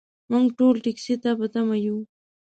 موږ ټول ټکسي ته په تمه یو .